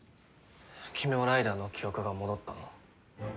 君もライダーの記憶が戻ったの？